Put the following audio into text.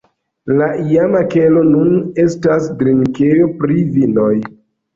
La iama kelo nun estas drinkejo pri vinoj.